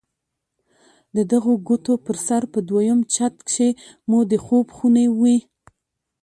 د دغو کوټو پر سر په دويم چت کښې مو د خوب خونې وې.